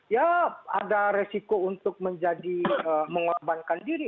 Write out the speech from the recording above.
ya ada resiko untuk menjadi mengorbankan diri